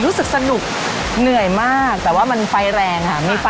เหนื่อยมากแต่ว่ามันไฟแรงอีก